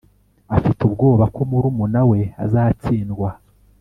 Afite ubwoba ko murumuna we azatsindwa